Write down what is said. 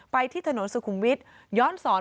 ที่ถนนสุขุมวิทย้อนสอน